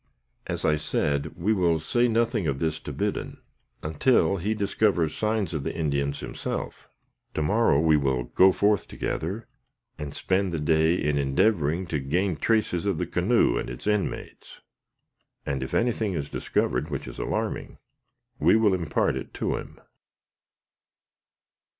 "As I said, we will say nothing of this to Biddon, until he discovers signs of Indians himself. To morrow, we will go forth together, and spend the day in endeavoring to gain traces of the canoe and its inmates; and if anything is discovered which is alarming, we will impart it to him."